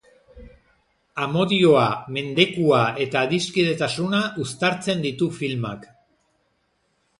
Amodioa, mendekua eta adiskidetasuna uztartzen ditu filmak.